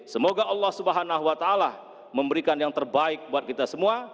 semoga allah swt memberikan yang terbaik buat kita semua